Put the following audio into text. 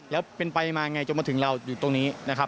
แล้วเป็นไปมาอย่างไรจนมาถึงเราอยู่ตรงนี้